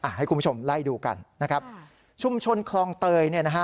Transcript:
ให้คุณผู้ชมไล่ดูกันนะครับชุมชนคลองเตยเนี่ยนะฮะ